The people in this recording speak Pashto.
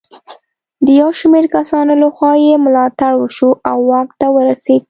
د یو شمېر کسانو له خوا یې ملاتړ وشو او واک ته ورسېد.